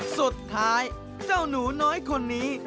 สุดท้ายเจ้าหนูน้อยคนนี้